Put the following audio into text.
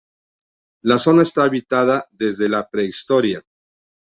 La zona está habitada desde la Prehistoria.